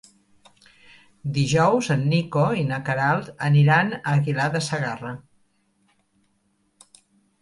Dijous en Nico i na Queralt aniran a Aguilar de Segarra.